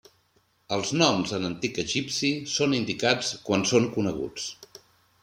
Els noms en antic egipci són indicats quan són coneguts.